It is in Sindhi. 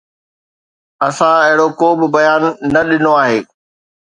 اسان اهڙو ڪو به بيان نه ڏنو آهي